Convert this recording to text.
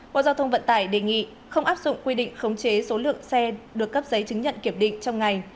bộ giao thông vận tải đề nghị không áp dụng quy định khống chế số lượng xe được cấp giấy chứng nhận kiểm định trong ngày